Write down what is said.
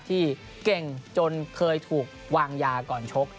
ที่เก่งจนเคยถูกวางยาก่อนชก